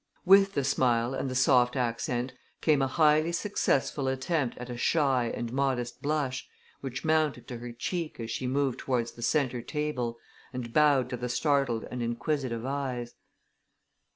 With the smile and the soft accent came a highly successful attempt at a shy and modest blush which mounted to her cheek as she moved towards the centre table and bowed to the startled and inquisitive eyes.